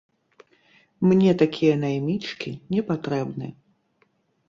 Мне такія наймічкі непатрэбны!